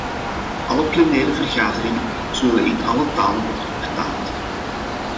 Alle plenaire vergaderingen zullen in alle talen worden vertaald.